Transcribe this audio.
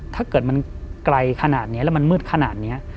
ถ้าเกิดมันไกลขนาดนี้แล้วมันมืดขนาดนี้